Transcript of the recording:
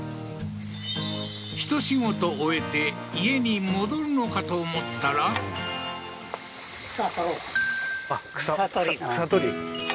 ひと仕事終えて家に戻るのかと思ったらあっ草取り？